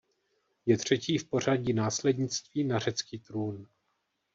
Je třetí v pořadí následnictví na řecký trůn.